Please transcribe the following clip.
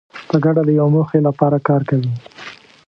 په ګډه د یوې موخې لپاره کار کوي.